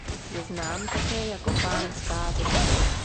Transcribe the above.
Je znám také jako Pán Zkázy.